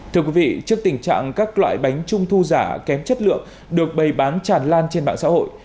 thưa quý vị trước tình trạng các loại bánh trung thu giả kém chất lượng được bày bán tràn lan trên mạng xã hội